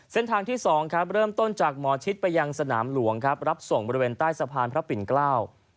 ที่สองครับเริ่มต้นจากหมอชิดไปยังสนามหลวงครับรับส่งบริเวณใต้สะพานพระปิ่นเกล้า